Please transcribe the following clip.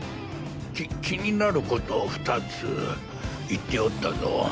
き気になる事を２つ言っておったぞ。